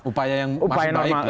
upaya yang masih baik